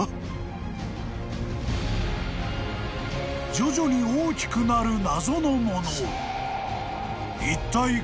［徐々に大きくなる謎のもの］